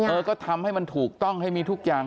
เออก็ทำให้มันถูกต้องให้มีทุกอย่าง